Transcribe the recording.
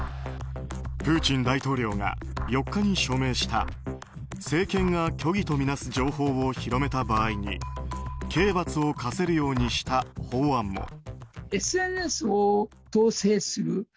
プーチン大統領が４日に署名した政権が虚偽とみなす情報を広めた場合に刑罰を科せるようにした法案も。